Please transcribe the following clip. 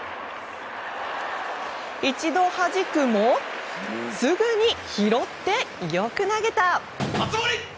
一度はじくもすぐに拾ってよく投げた。